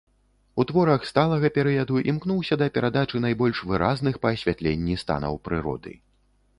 У творах сталага перыяду імкнуўся да перадачы найбольш выразных па асвятленні станаў прыроды.